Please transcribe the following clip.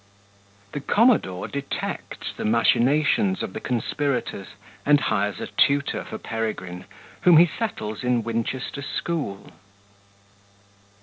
The Commodore detects the Machinations of the Conspirators, and hires a tutor for Peregrine, whom he settles in Winchester School.